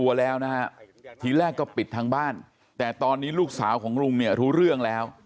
นะฮะทีแรกก็ปิดทางบ้านแต่ตอนนี้ลูกสาวของลุงเนี่ยรู้เรื่องแล้ว